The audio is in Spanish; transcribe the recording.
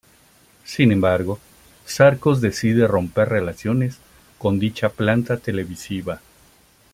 Sin embargo, Sarcos decide romper relaciones con dicha planta televisiva.